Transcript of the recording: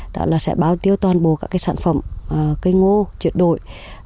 đó là sẽ báo tiêu toàn bộ các sản phẩm cây ngô chuyển đổi